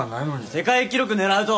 世界記録狙うと。